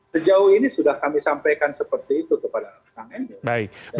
sejauh ini sudah kami sampaikan seperti itu kepada kang emil